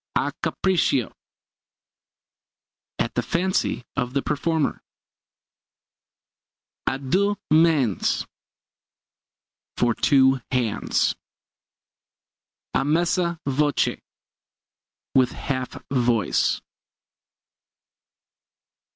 A capriccio at the fancy of the performer. À deux mains for two hands. A mezza voce with half voice.